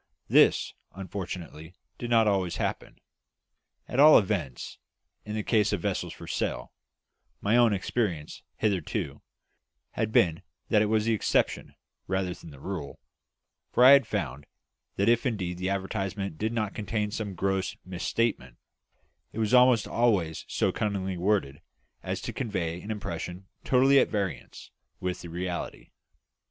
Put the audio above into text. This, unfortunately, did not always happen at all events, in the case of vessels for sale; my own experience, hitherto, had been that it was the exception, rather than the rule, for I had found that if indeed the advertisement did not contain some gross mis statement, it was almost always so cunningly worded as to convey an impression totally at variance with the reality.